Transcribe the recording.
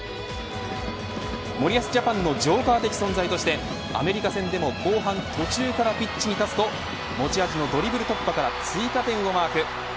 森保ジャパンのジョーカー的存在としてアメリカ戦でも後半途中からピッチに立つと持ち味のドリブル突破から追加点をマーク。